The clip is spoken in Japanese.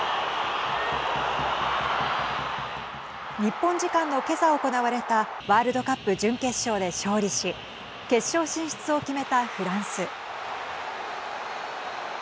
日本時間の今朝行われたワールドカップ準決勝で勝利し決勝進出を決めたフランス。